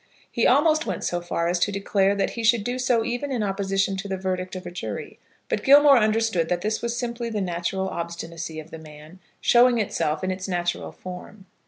He almost went so far as to declare that he should do so even in opposition to the verdict of a jury; but Gilmore understood that this was simply the natural obstinacy of the man, showing itself in its natural form.